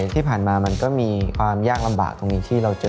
ที่ผ่านมามันก็มีความยากลำบากตรงนี้ที่เราเจอ